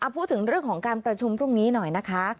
พูดถึงเรื่องของการประชุมพรุ่งนี้หน่อยนะคะ